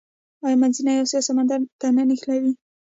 آیا منځنۍ اسیا سمندر ته نه نښلوي؟